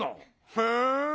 へえ。